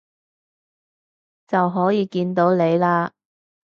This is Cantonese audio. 就可以見到你喇